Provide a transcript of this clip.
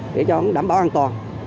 để cho đảm bảo an toàn